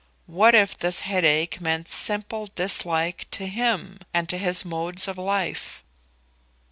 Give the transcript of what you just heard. What if this headache meant simple dislike to him, and to his modes of life?